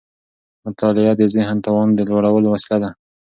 مطالعه د ذهني توان د لوړولو وسيله ده.